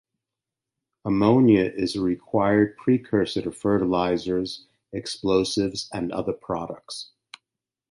Ammonia is a required precursor to fertilizers, explosives, and other products.